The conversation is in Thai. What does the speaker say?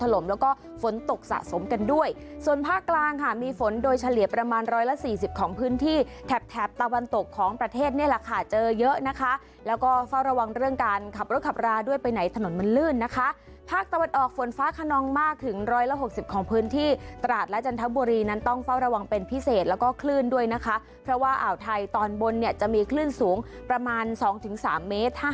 และ๔๐ของพื้นที่แถบแถบตะวันตกของประเทศนี่แหละค่ะเจอเยอะนะคะแล้วก็เฝ้าระวังเรื่องการขับรถขับราด้วยไปไหนถนนมันลื่นนะคะภาคตะวัดออกฝนฟ้าขนองมากถึง๑๖๐ของพื้นที่ตราดและจันทบุรีนั้นต้องเฝ้าระวังเป็นพิเศษแล้วก็คลื่นด้วยนะคะเพราะว่าอ่าวไทยตอนบนเนี่ยจะมีคลื่นสูงประมาณ๒๓เมตรถ้